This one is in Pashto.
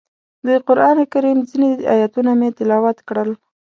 د قرانکریم ځینې ایتونه مې تلاوت کړل.